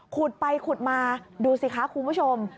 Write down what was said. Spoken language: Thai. ขุดไปขุดมาดูสิคะคุณผู้ชม